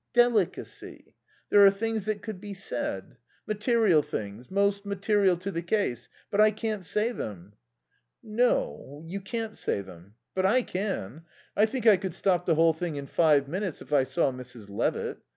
Delicacy. There are things that could be said. Material things most material to the case. But I can't say them." "No. You can't say them. But I can. I think I could stop the whole thing in five minutes, if I saw Mrs. Levitt.